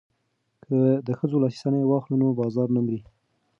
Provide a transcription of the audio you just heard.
که د ښځو لاسي صنایع واخلو نو بازار نه مري.